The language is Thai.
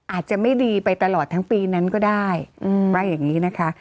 อาจจะไม่ดีไปตลอดทั้งปีนั้นก็ได้ว่าอย่างนี้นะคะ